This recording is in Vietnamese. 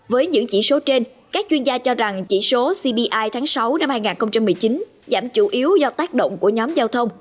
với những chỉ số trên các chuyên gia cho rằng chỉ số cpi tháng sáu năm hai nghìn một mươi chín giảm chủ yếu do tác động của nhóm giao thông